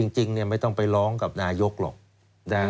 จริงไม่ต้องไปร้องกับนายกหรอก